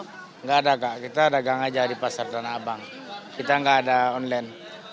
tidak ada kak kita dagang saja di pasar dan abang kita tidak ada online